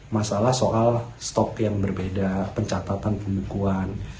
masalah soal stok yang berbeda pencatatan pembukuan